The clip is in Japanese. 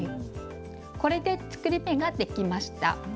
これで作り目ができました。